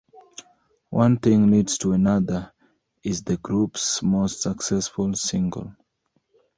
"One Thing Leads to Another" is the group's most successful single.